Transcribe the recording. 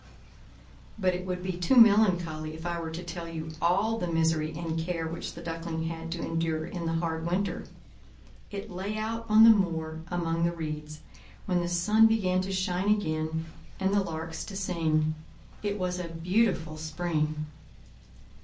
But it would be too melancholy if I were to tell all the misery and care which the Duckling had to endure in the hard winter. It lay out on the moor among the reeds, when the sun began to shine again and the larks to sing: it was a beautiful spring.